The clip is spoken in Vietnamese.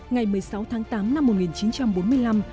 ngày một mươi sáu tháng tám năm một nghìn chín trăm bốn mươi năm